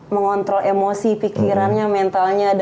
mengontrol emosi pikirannya mentalnya